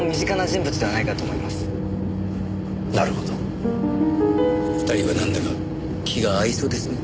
２人はなんだか気が合いそうですね。